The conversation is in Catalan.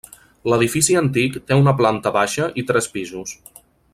L'edifici antic té una planta baixa i tres pisos.